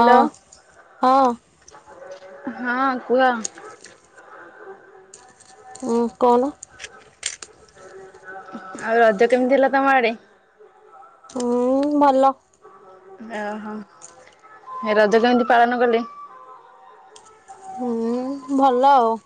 ହଁ ହଁ। ହଁ କୁହ। ହଁ କହୁନ। ଆଉ ରଜ କେମିତ ହେଲା ତମଆଡେ? ହୁଁ ଭଲ। ଓହୋ ରଜ କେମିତି ପାଳନ କଲେ? ହୁଁ ଭଲ ଆଉ।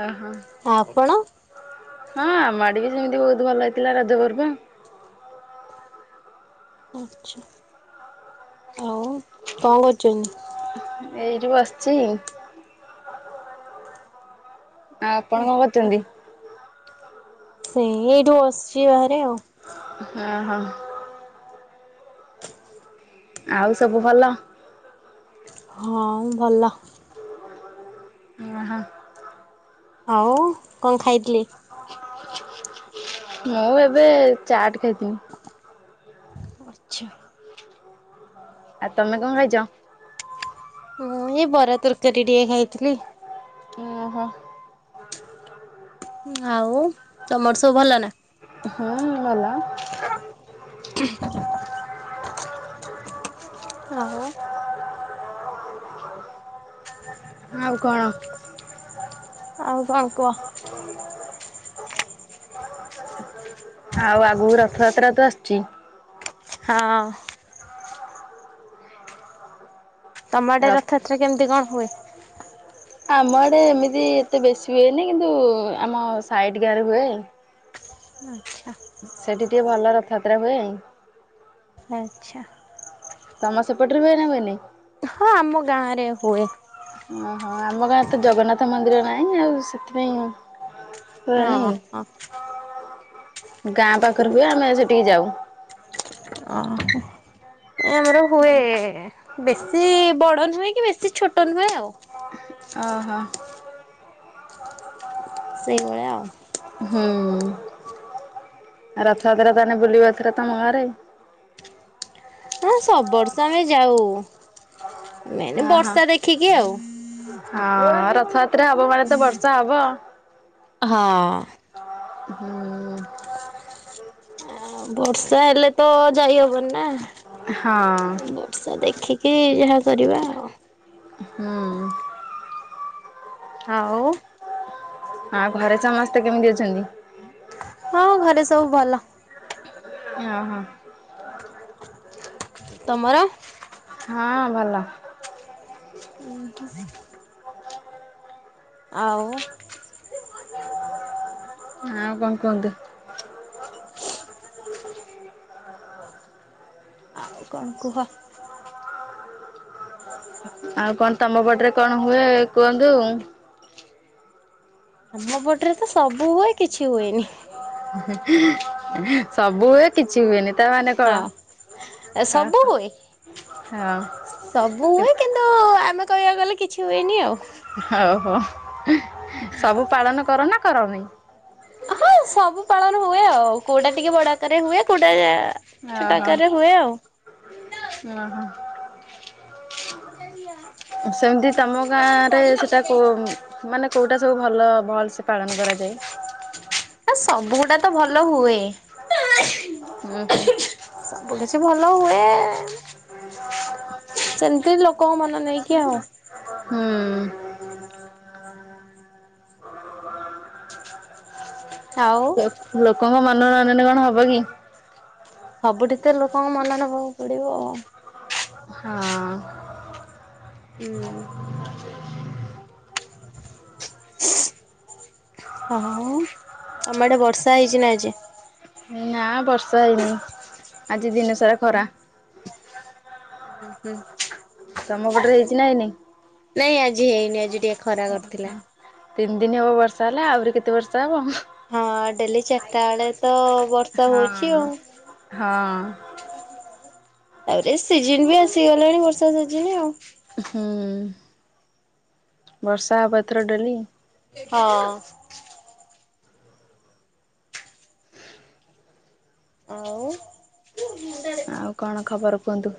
ଓ ହୋ। ଆଉ ଆପଣ? ହଁ ଆମଆଡ଼େ ବି ସେମିତି ବହୁତ ଭଲ ହେଇଥିଲା ରଜପର୍ବ। ଆଛା। ଆଉ କଣ କରୁଚନ୍ତି? ଏଇଠି ବସିଚି। ଆଉ ଆପଣ କଣ ଆଚ୍ଛା କରୁଚନ୍ତି? ସେଇ ଏଇଠି ବସିଚି ଘରେ ଆଉ। ଅ ହ। ଆଉ ସବୁ ଭଲ? ହଁ ଭଲ। ଓହୋ। ଆଉ କଣ ଖାଇଥିଲେ? ମୁଁ ଏବେ ଚାଟ ଖାଇଥିଲି। ଆଛା। ଆଉ ତମେ କଣ ଖାଇଛ? ମୁଁ ଏଇ ବରା ତରକାରୀ ଟିକେ ଖାଇଥିଲି। ଓହୋ। ଆଉ ତମର ସବୁ ଭଲ ନା? ହଁ ଭଲ। ଆଉ। ଆଉ କଣ? ଆଉ କଣ କୁହ? ଆଉ ଆଗକୁ ରଥଯାତ୍ରା ତ ଆସୁଛି ହଁ। ତମ ଆଡେ ରଥ ରଥଯାତ୍ରା କେମିତି କଣ ହୁଏ? ଆମ ଆଡ଼େ ଏମିତି ଏତେ ବେଶୀ ହୁଏନି କିନ୍ତୁ ଆମ ସାଇଟ୍ ଗାଁରେ ହୁଏ। ଆଚ୍ଛା। ସେଠି ଟିକେ ଭଲ ରଥଯାତ୍ରା ହୁଏ। ଆଚ୍ଛା। ତମ ସେପଟରେ ବି ଏନା ହୁଏନି। ହଁ ଆମ ଗାଁ ରେ ହୁଏ। ଓ ହଁ ଆମ ଗାଁରେ ତ ଜଗନ୍ନାଥ ମନ୍ଦିର ନାହିଁ ଆଉ ସେଥିପାଇଁ ଓ ହୋ ହୁଏନାଇ ଗାଁ ପାଖରେ ହୁଏ ଆମେ ସେଠିକି ଯାଉ। ଓହୋ। ଆମର ହୁଏ ବେଶୀ ବଡ ନୁହେଁ କି ବେଶୀ ଛୋଟ ନୁହେଁ ଆଉ। ଓହୋ। ସେଇଭଳିଆ ଆଉ। ହୁଁ। ରଥଯାତ୍ରା ତାହାନେ ବୁଲିବ ଏଥର ତମ ଗାଁରେ। ହଁ ସବୁ ବର୍ଷ ଆମେ ଯାଉ ମେନ ବର୍ଷା ଦେଖିକି ଆଉ। ହଁଉ ରଥଯାତ୍ରା ହବ ମାନେ ତ ବର୍ଷା ହବ। ହଁ। ହୁଁ। ବର୍ଷା ହେଲେ ତ ଯାଇହବନି ନା। ହଁ। ଦେଖିକି ଯାହା କରିବା ଆଉ। ହୁଁ। ଆଉ। ଆଉ ଘରେ ସମସ୍ତେ କେମିତି ଅଛନ୍ତି? ହଁ ଘରେ ସବୁ ଭଲ। ଆଁ ହଁ। ତମର? ହଁ ଭଲ। ଓହୋ। ଆଉ। ଆଉ କଣ କୁହନ୍ତୁ? ଆଉ କଣ କୁହ? ଆଉ କଣ ତମ ପଟରେ କଣ ହୁଏ କୁହନ୍ତୁ। ଆମ ପଟରେ ତ ସବୁ ହୁଏ କିଛି ହୁଏନି। ସବୁ ହୁଏ କିଛି ହୁଏନି ତା ମାନେ କଣ? ହଁ ଏ ହଉ ସବୁ ହୁଏ। ସବୁ ହୁଏ କିନ୍ତୁ ଆମେ କହିବାକୁ ଗଲେ କିଛି ହୁଏନି ଆଉ। ଓ ହୋ ସବୁ ପାଳନ କର ନା କରନି? ହଁ ସବୁ ପାଳନ ହୁଏ ଆଉ, କୋଉଟା ଟିକେ ବଡ ଆକାରରେ ହୁଏ। କୋଉଟା ଛୋଟ ଆକାରରେ ହୁଏ ଆଉ। ହୁଁ ହୁଁ। [inaudible] ସେମିତି ତମ ଗାଁ ରେ ସେଟାକୁ ମାନେ କଉଁଟା ସବୁ ଭଲ ଭଲସେ ପାଳନ କରାଯାଏ? ତ ସବୁଗୁଡାକ ତ ଭଲ ହୁଏ। ହୁଁ ହୁଁ। ସବୁ କିଛି ଭଲ ହୁଏ। ସେମିତି ଲୋକଙ୍କ ମନ ନେଇକି ଆଉ। ହୁଁ। ଆଉ ଲୋ ଲୋକଙ୍କ ମନ ନନେଲେ କଣ ହବ କି? ସବୁଠି ତ ଲୋକଙ୍କ ମନ ନବାକୁ ପଡିବ ଆଉ। ହଁ। ହୁଁ। ହୋ ତମ ଆଡେ ବର୍ଷା ହେଇଚି ନା ଆଜି? ନା ବର୍ଷା ହେଇନି ଆଜି ଦିନ ସାରା ଖରା। ଉ ହୁଁ। ତମ ପଟରେ ହେଇଚି ନା ହେଇନି? ନାଇଁ ଆଜି ହେଇନି, ଆଜି ଟିକେ ଖରା କରିଥିଲା। ତିନି ଦିନ ହବ ବର୍ଷା ହେଲା। ଆହୁରି କେତେ ବର୍ଷା ହବ? ହଁ ଡେଲି ଚାରିଟା ବେଳେ ତ ବର୍ଷା ହଉଚି ହଁ ଆଉ। ହଁ ତାପରେ ସିଜିନ ବି ଆସିଗଲାଣି ବର୍ଷା ସିଜିନି ଆଉ। ହୁଁ। ବର୍ଷା ହବ ଏଥର ଡେଲି। ହଁ। ଆଉ [inaudible] ଆଉ କଣ ଖବର କୁହନ୍ତୁ?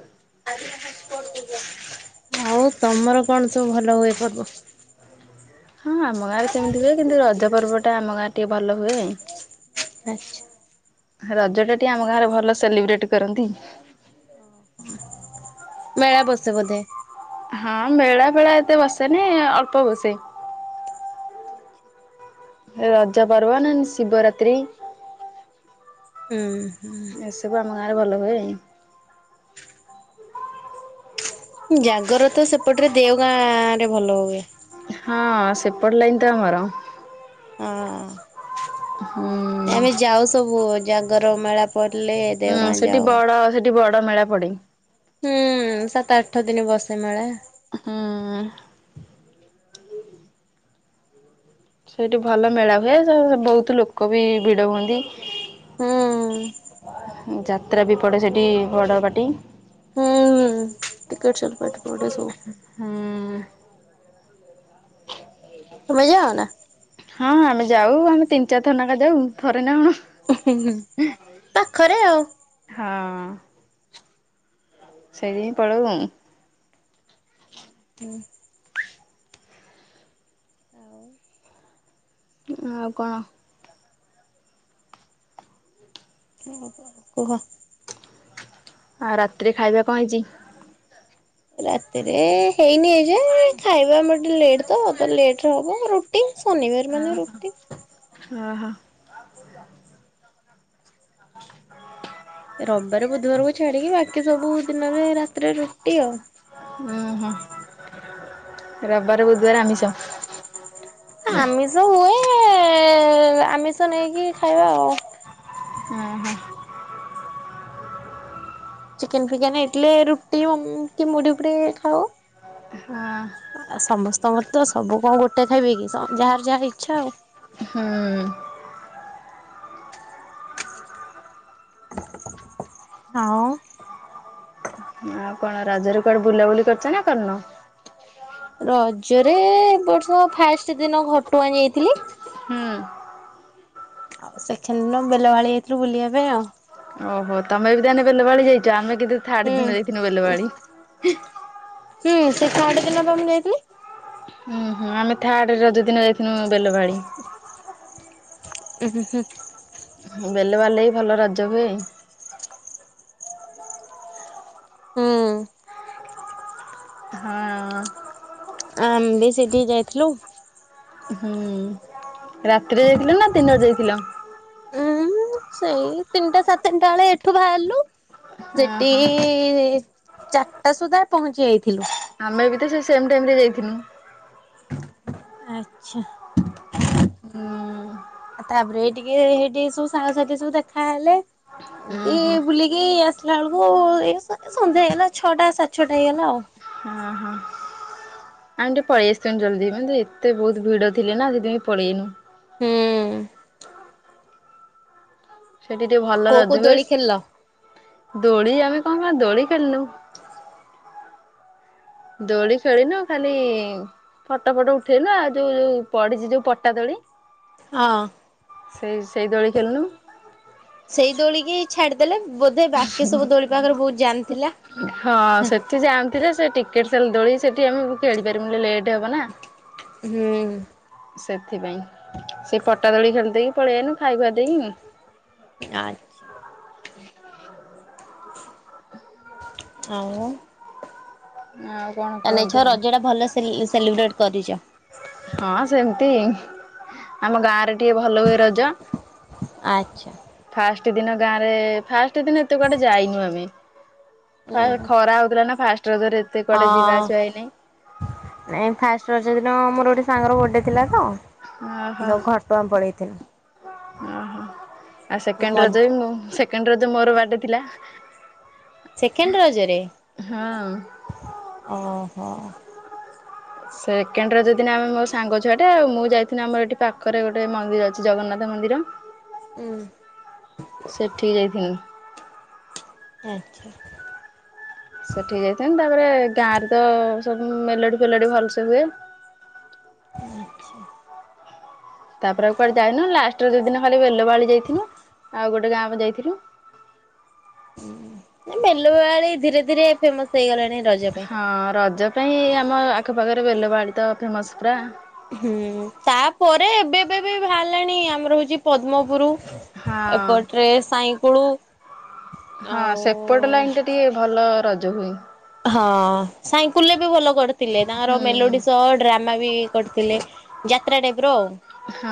[inaudible] ଆଉ ତମର କଣ ସବୁ ଭଲ ହୁଏ ପର୍ବ? ହଁ ଆମ ଗାଁରେ ସେମିତି ହୁଏ କିନ୍ତୁ ରଜ ପର୍ବଟା ଆମ ଗାଁରେ ଟିକେ ଭଲ ହୁଏ। ଆଚ୍ଛା। ରଜ ଟା ଟିକେ ଆମ ଗାଁରେ ଭଲ ସେଲିବ୍ରେଟ କରନ୍ତି। ମେଳା ବସେ ବଧେ? ହଁ ମେଳା ଫେଳା ଏତେ ବସେନି ଅଳ୍ପ ବସେ। ରଜ ପର୍ବ ନହଲେ ଶିବରାତ୍ରି। ଉ ହୁଁ। ସବୁ ଆମ ଗାଁରେ ଭଲ ହୁଏ। ଜାଗର ତ ସେପଟରେ ଦେଓ ଗାଁ ରେ ଭଲ ହୁଏ। ହଁ ସେପଟେ ଲାଇନ ତ ଆମର। ଓ। ହୁଁ। ଆମେ ଯାଉ ସବୁ ଜାଗର ମେଳା ପଡିଲେ ଦେଓଗାଁ ଯାଉ। କି ବଡ ମେଳା ପଡେ। ହୁଁ ସାତ ଆଠ ଦିନ ବସେ ମେଳା। ହୁଁ। ସେଇଠି ଭଲ ମେଳା ହୁଏ ସବୁ ବହୁତ ଲୋକ ବି ଭିଡ ହୁଅନ୍ତି। ହୁଁ ଯାତ୍ରା ବି ପଡେ ସେଠି ବଡ ପାଟି। ଟିକଟ ସେଲ୍ ପାଟି ପଡ଼େ ସବୁ। ହୁଁ। ତମେ ଯାଅ ନା? ହଁ ଆମେ ଯାଉ ଆମେ ତିନି ଚାର ଥର ନେଖା ଯାଉ ଥରେ ନା କଁ। ପାଖରେ ଆଉ। ହଁ ସେଇଥିପାଇଁ ପଳଉ ଉଁ। ହୁଁ। ହୁଁ ଆଉ କଣ? ଏୟା ଆଉ କୁହ। ଆଉ ରାତିରେ ଖାଇବା କଁ ହେଇଛି? ରାତିରେ ହେଇନି ଏଯାଏଁ ଖାଇବା ଆମର ଟିକେ ଲେଟ୍ ତ ଲେଟ ରେ ହବ ରୁ ଟି ଶନିବାର ମାନେ ରୁଟି। ଅ ହ। ରବିବାର ବୁଧବାର କୁ ଛାଡିକି ବାକି ସବୁ ଦିନରେ ରାତିରେ ରୁଟି ଆଉ। ଉଁ ହୁଁ ରବିବାର ବୁଧବାର ଆମିସ। ଆମିଷ ହୁଏ ଆମିଷ ନେଇକି ଖାଇବା ଆଉ। ଉଁ ହୁଁ। ଚିକେନ ଫିକେନ ହେଇଥିଲେ ରୁଟି ଉମ୍ କି ମୁଢି ଫୁଡି ଖାଉ। ହଁ। ଆଉ ସମସ୍ତଙ୍କର ତ ସବୁ କଣ ଗୋଟେ ଖାଇବେ କି ସ ଯାହାର ଯାହା ଇଚ୍ଛା ଆଉ। ହୁଁ। ଆଉ। ଆଉ କଣ ରଜରେ କୁଆଡେ ବୁଲାବୁଲି କରିଛ ନା କରିନ? ରଜରେ ଏ ବର୍ଷ ଫାଷ୍ଟ ଦିନ ଘଟଗାଁ ଯାଇଥିଲି। ହୁଁ। ଆଉ ସେକେଣ୍ଡ ଦିନ ବେଲ ବାଳି ଯାଇଥିଲୁ ବୁଲିବା ପାଇଁ ଆଉ। ଓହୋ ତମେ ବି ତାହେନେ ବେଲବାଳି ଯାଇଛ ଆମେ କି ଥାର୍ଡ ହୁଁ ଦିନ ଯାଇଥିନୁ ବେଲବାଳି।। ହୁଁ ସେ ଥାଡ ଦିନ ବା ମୁଁ ଯାଇିଥିଲି। ଉୁଁ ହୁଁ ଆମେ ଥାର୍ଡ ରଜ ଦିନ ଯାଇଥିନୁ ବେଲ ବାଳି। ଉୁଁ ହୁଁ ହୁଁ। ହୁଁ ବେଲ ବାଳି ରେ ବି ଭଲ ରଜ ହୁଏ। ହୁଁ। ହଁ। ଆମେ ବି ସେଇଠିକି ଯାଇଥିଲୁ। ହୁଁ ରାତିରେ ଯାଇଥିଲ ନା ଦିନରେ ଯାଇଥିଲ? ଉଁ ସେଇ ତିନିଟା ସାଡ଼େତିନିଟା ବେଳେ ଏଠୁ ବାହାରିଲୁ ସେଠି। ଓହୋ। ଚାରିଟା ସୁଦ୍ଧା ପହଞ୍ଚି ଯାଇଥିଲୁ। ଆମେ ବି ତ ସେଇ ସେମ ଟାଇମ ରେ ଯାଇଥିନୁ। ଆଛା। ହୁଁ। ତାପରେ ଟିକେ ସେଇଟି ସବୁ ସାଙ୍ଗ ସାଥି ସବୁ ଦେଖା ହେଲେ ହୁଁ ହୁଁ ଏମତି ବୁଲିକି। କି ଆସିଲା ବେଳକୁ ଏ ସ ସନ୍ଧ୍ୟା ହେଇଗଲା ଛଅଟା ସାତେ ଛଅଟା ହେଇଗଲା ଆଉ। ଉଁ ହୁଁ। ଆମେ ଟିକେ ପଳେଇ ଆସିଥିନୁ ଜଲ୍ଦି ମାନେ ଏତେ ବହୁତ ଭିଡ ଥିଲେ ନା ସେଇଥି ପାଇଁ ପଳେଇ ଆଇନୁ। ହୁଁ। ସେଠି ଟିକେ ଭଲ କୋଉ କୋଉ ରଜ ଦୋଳି ଖେଳିଲ? ବେଶ ଦୋଳି ଆମେ କଣ କ ଦୋଳି ଖେଳିଲୁ। ଦୋଳି ଖେଳି ନୁ ଖାଲି ଫଟୋ ଫଟ ଉଠେଇଲୁ ଆଉ ଯୋଉ ଯୋଉ ପଡିଛି ଯୋଉ ପଟା ଦୋଳି ହଁ ସେଇ ସେଇ ଦୋଳି ଖେଳିନୁ। ସେଇ ଦୋଳିିକି ଛାଡିଦେଲେ ବୋଧେ ବାକି ସବୁ ଦୋଳି ପାଖରେ ବହୁତ ଜାମ୍ ଥିଲା। ହୁ ଜାମ ଥିଲେ ସେ ଟିକ କିକେଟ୍ ସଲ ଦୋଳି ସେଠି ଆମେକୁ ଖେଳିପାରିମିନୁ ଲେଟ୍ ହେବ ନା। ହୁଁ ସେଥିପାଇଁ ସେ ପଟା ଦୋଳି ଖେଳି ଦେଇକି ପଳେଇଆନୁ ଖାଇ ଖୁଆ ଦେଇ। ଆଁ ଆଉ ଆଉ କଣ ତାଲେ କୁହନ୍ତୁ ଛ ରଜ ଟା ଭଲ ସେଲି ସେଲିବ୍ରେଟ କରିଛ। ହଁ ସେମିତି ଆମ ଗାଁ ରେ ଟିକେ ଭଲ ହୁଏ ରଜ। ଆଚ୍ଛା ଫାଷ୍ଟ ଦିନ ଗାଁ ରେ ଫାଷ୍ଟ ଦିନ ଏତେ କୁଆଡେ ଯାଇନୁ ଆମେ। ଫା ଖରା ହଉଥିଲା ନା ଫାଷ୍ଟ ରଜରେ। ଏତେ ହଁ କୁଆଡେ ଯିବା ଆସିବା ହେଇନି ନାଇଁ ଫାଷ୍ଟ ରଜ ଦିନ ମୋର ଗୋଟେ ସାଙ୍ଗର ବୋଡେ ଥିଲା ତ। ଓହୋ ତ ଘଟଗାଁ ପଳେଇଥିଲୁ। ଓହୋ ଆ ମ ସେକେଣ୍ଡ ରଜ ବି ମୁ ସେ ଣ୍ଡ ତ ମୋର ବାଡେ ଥିଲା। ସେକେଣ୍ଡ ରଜରେ ହଁ। ଓହୋ। ସେକେଣ୍ଡ ରଜ ଦିିନ ଆମେ ମୋ ସାଙ୍ଗ ଛୁଆଟେ ଆଉ ମୁଁ ଯାଇଥିଲି ଆମର ଏଠି ପାଖରେ ଗୋଟେ ମନ୍ଦିର ଜଗନ୍ନାଥ ମନ୍ଦିର ଉଁ ସେଠିକି ଯାଇଥିନ୍। ଆଚ୍ଛା। ସେଠିକି ଯାଇଥାନ୍ତି ତାପରେ ଗାଁରେ ତ ସବୁ ମେଲୋଡ଼ି ଫେଲୋଡ଼ି ଭଲସେ ହୁଏ। ଆଚ୍ଛା। ତାପରେ ଆଉ କୁଆଡେ ଯାଇନୁ ଲାଷ୍ଟ୍ ରଜ ଦିନ ଖାଲି ବେଲବାଳି ଯାଇଥିନୁ ଆଉ ଗୋଟେ ଗାଁକୁ ଯାଇଥିନୁ। ହୁଁ ବେଲବାଆଳି ଧୀରେ ଧୀରେ ଫେମସ୍ ହେଇଗଲାଣି। ରଜ ପାଇଁ। ହଁ ରଜ ପାଇଁ ଆମ ଆଖପାଖରେ ବେଲବାଆଳି ତ ଫେମସ୍ ପୁରା। ହୁଁ ତାପରେ ଏବେ ଏବେ ବି ବାହାରିଲାଣି ଆମର ହଉଛି ପଦ୍ମପୁରୁ। ହଁ ଏପଟ୍ ରେ ସାଇଁକୁଳୁ ହଁ ସେପଟ୍ ଆଉ ଲାଇନ୍ ଟା ଟିକେ ଭଲ ରଜ ହୁଏ। ହଁ ସାାଇଙ୍କୁଲ୍ ବି ଭଲ କରିଥିଲେ ତାଙ୍କର ହୁଁ। ମେଲୋଡି ସହ ଡ୍ରାମା ବି କରିଥିଲେ ଯାତ୍ରା ଟାଇପ୍ ର‌ଉ। ହଁ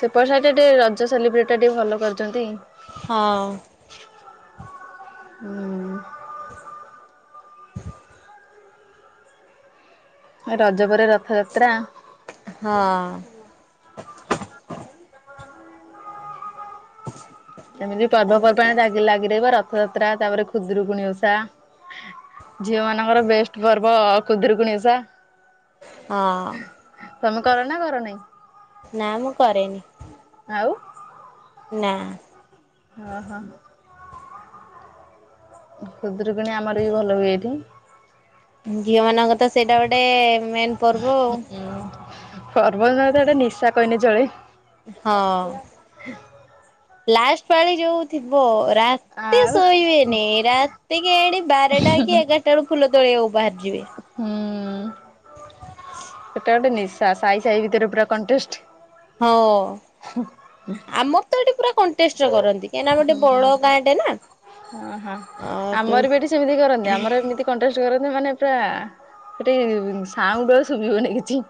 ସେପଟ୍ ସାଇଟା ଟିକେ ରଜ ସେଲିବ୍ରେଟ୍ ଟା ଟିକେ ଭଲ କରିଛନ୍ତି। ହଁ। ଉଁ। [inaudible] ରଜପରେ ରଥଯାତ୍ରା। ହଁ। [inaudible] ଏମିତି ତାପରେ ପର୍ବପର୍ବାଣି ଦାଗି ଲାଗି ରହିବ ରଥଯାତ୍ରା ତାପରେ ଖୁଦୁରୁକୁୁଣି ଓଷା। ଝିଅ ମାନଙ୍କର ବେଷ୍ଟ୍ ଗର୍ବ ଖୁଦୁରୁକୁଣିଓଶା। ହଁ ତମେ କର ନା କର ନାଇଁ? ନା ମୁଁ କରେନି ଆଉ ନା ହଁ ହଁ। ଖୁଦୁରୁକୁଣୀ ଆମର ବି ଭଲ ହୁଏଠି। ଘିଅ ମାନଙ୍କ ତ ସେଇଟା ଗୋଟେ ମେନ୍ ପର୍ବ। ପର୍ବ ନତ ଏଟେ ନିଶା କହିନେ ଜଳେ। ହଁ ଲାଷ୍ଟ୍ ପାଳି ଯୋଉ ଥିବ ରା ତି ଆଉ ହୁଁ। ଶୋଇବେନି ରାତି କି ଏଡି ବାରଟା କି ଏଗାରଟା ରୁ ଫୁଲ ତୋଳିବାକୁ ବାହାରିଯିବେ। ହୁଁ ସେଟା ଗୋଟେ ନିଶା ସାହି ସାହି ଭିତରେ ପୁରା କଣ୍ଟେଷ୍ଟ୍। ହଁ ଆମର ତ ଏଠି ପୁରା କଣ୍ଟେଷ୍ଟ୍ କରନ୍ତି। କାହିଁକିନା ଆମେ ଗୋଟେ ହୁଁ ବଡ ଗାଁଟେ ହୁଁ ନା ଆମର ଏଠି ସେମିତି କରନ୍ତି ଆମର ଏମିତି କଣ୍ଟେଷ୍ଟ କରନ୍ତି ମାନେ ପ୍ରା ସେଠି ସାଉଣ୍ଡୁ ଆଉ ଶୁଭିବନି କିଛି।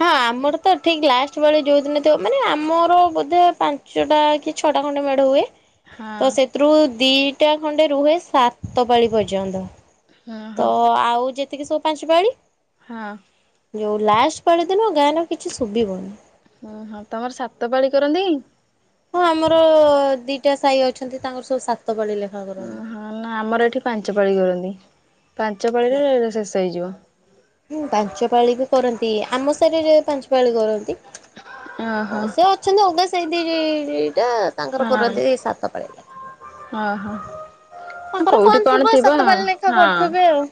ହଁ ଆମର ତ ଠିକ୍ ଲାଷ୍ଟ୍ ପାଳି ଯୋଉଦିନ ଥିବ ମାନେ ଆମର ବୋଧେ ପାଞ୍ଚଟା କି ଛଟା ଖଣ୍ଡେ ମେଢ ହଏ। ହଁ ତ ସେଥିରୁ ଦିଟା ଖଣ୍ଡେ ରୁହେ ସାତ ପାଳି ପର୍ଯ୍ୟନ୍ତ। ହଁ ତ ହଁ ଆଉ ଯେତିକି ସବୁ ପାଞ୍ଚ ପାଳି। ହଁ। ଯୋଉ ଲାଷ୍ଟ ପାଳି ଦିନ ଗାଁଟା କିଛି ଶୁଭିବନି। ଉଁ ହଁ ତମର ସାତ ପାଳି କରନ୍ତି। ହଁ ଆମର ଦିଟା ସାହି ଅଛନ୍ତି ତାଙ୍କର ସବୁ ସାତ ପାଳି ଲେଖା କରନ୍ତି। ହଁ ନା ଆମର ଏଠି ପାଞ୍ଚ ପାାଳି କରନ୍ତି ପାଞ୍ଚ ପାାଳିରେ ଶେଷ ହେଇଯିବ। ହୁଁ ପାଞ୍ଚ ପାାଳି ବି କରନ୍ତି ଆମ ଶାହିରେ ରେ ପାଞ୍ଚ ପାଳି କରନ୍ତି ଆଉ ଓହୋ ସେ ଛନ୍ତି ଅଗା ସାଇ [unintelligible] ଟା ତାଙ୍କର ହଁ କରନ୍ତି ସାତ ପାଳି ଓହୋ ଲେଖା। ତାଙ୍କର କୋଉଠି କଣ ଥିବ ସାତ ହଁ ପାଳି ଲେଖା କରୁଥିବେ ହଁ ଆଉ।